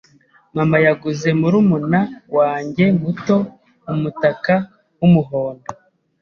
Mama yaguze murumuna wanjye muto umutaka wumuhondo.